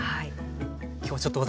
今日はちょっと私